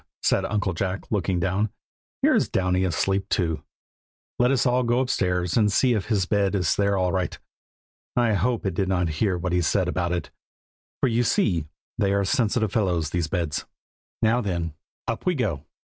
said Uncle Jack, looking down. "Here is Downy asleep too. Let us go upstairs and see if his bed is there all right. I hope it did not hear what he said about it, for you see they are sensitive fellows, these beds. Now then, up we go!